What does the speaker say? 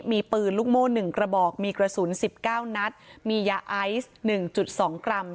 มีปืนลุกโม่หนึ่งกระบอกมีกระสุนสิบเก้านัทมียาไซส์หนึ่งจุดสองกรั่ง